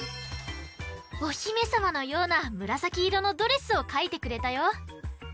おひめさまのようなむらさきいろのドレスをかいてくれたよ。